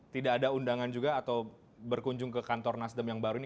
tidak ada undangan juga atau berkunjung ke kantor nasdem yang baru ini